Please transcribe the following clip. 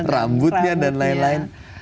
rambutnya dan lain lain